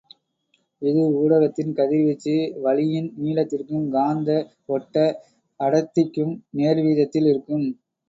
இது ஊடகத்தின் கதிர்வீச்சு வழியின் நீளத்திற்கும் காந்த ஒட்ட அடர்த்திக்கும் நேர்வீதத்தில் இருக்கும்.